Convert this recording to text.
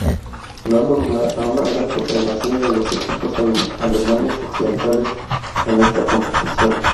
Dando lugar a una gran supremacía de los equipos alemanes occidentales en esta competición.